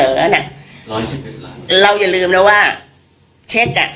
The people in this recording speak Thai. น่ะร้อยสิบเอ็ดล้านเราอย่าลืมนะว่าเช็คอ่ะ